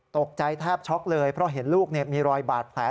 ตกใจแทบช็อกเลยเพราะเห็นลูกมีรอยบาดแผล